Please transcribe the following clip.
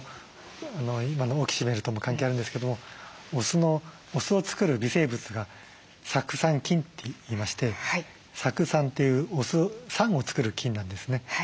今のオキシメルとも関係あるんですけどもお酢を作る微生物が酢酸菌っていいまして酢酸というお酢酸を作る菌なんですね。